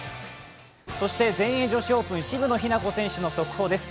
全英女子オープン、渋野日向子選手の速報です。